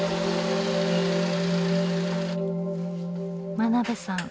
真鍋さん